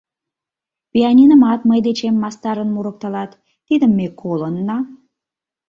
Пианинымат мый дечем мастарын мурыктылат, тидым ме колынна...